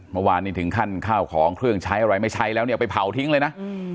เมื่อวานนี้ถึงขั้นข้าวของเครื่องใช้อะไรไม่ใช้แล้วเนี่ยไปเผาทิ้งเลยนะ